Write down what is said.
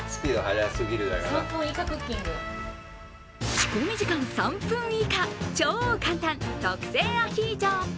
仕込み時間３分以下、超簡単、特製アヒージョ。